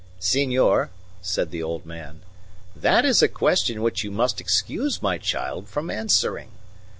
"Senor," said the old man, "that is a question which you must excuse my child from answering.